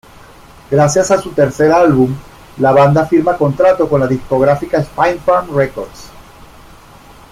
Gracias a su tercer álbum la banda firma contrato con la discográfica Spinefarm Records.